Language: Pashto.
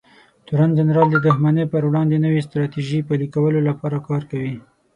تورن جنرال د دښمن پر وړاندې د نوې ستراتیژۍ پلي کولو لپاره کار کوي.